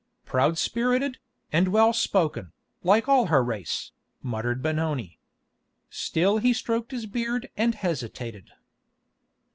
"Proud spirited, and well spoken, like all her race," muttered Benoni. Still he stroked his beard and hesitated.